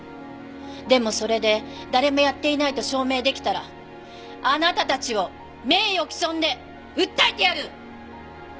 でもそれで誰もやっていないと証明できたらあなたたちを名誉毀損で訴えてやる！